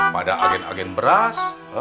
pada agen agen beras